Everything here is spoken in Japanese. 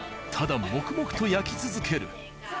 ただ黙々と焼き続ける。